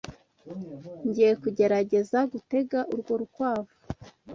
Ngiye kugerageza gutega urwo rukwavu.